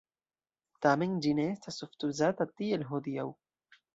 Tamen ĝi ne estas ofte uzata tiel hodiaŭ.